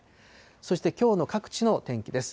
そしてきょうの各地の天気です。